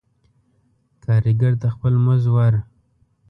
کاريګر ته خپل مز ور